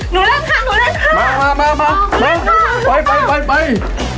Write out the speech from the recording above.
หนูเริ่มครับหนูเริ่มครับไป